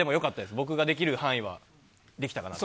僕ができる範囲は、できたかなって。